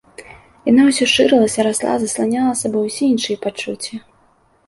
Яна ўсё шырылася, расла, засланяла сабою ўсе іншыя пачуцці.